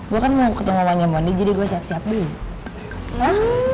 gue kan mau ketemu mamanya mondi jadi gue siap siap aja